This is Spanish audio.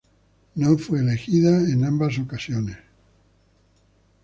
No fue elegida en ambas ocasiones.